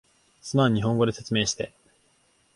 すまん、日本語で説明して